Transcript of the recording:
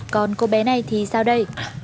còn cô bé này thì sao đây